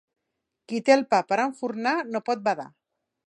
Qui té el pa per enfornar no pot badar.